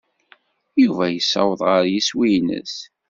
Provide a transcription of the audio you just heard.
Yuba yessaweḍ ɣer yiswi-nnes.